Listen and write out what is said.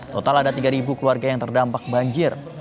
total ada tiga keluarga yang terdampak banjir